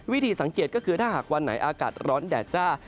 วิธีสังเกตก็คือถ้าหากวันไหนอากาศร้อนแดดจ้า